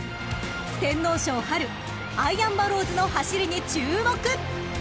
［天皇賞アイアンバローズの走りに注目］